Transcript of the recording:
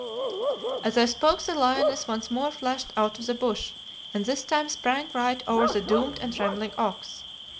"As I spoke, the lioness once more flashed out of the bush, and this time sprang right over the doomed and trembling ox.